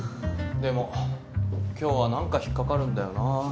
でも今日は何か引っかかるんだよな。